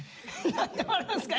何で笑うんすか！